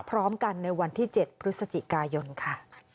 พร้อมกันในวันที่๗พฤศจิกายนค่ะ